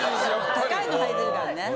高いのはいてるからね。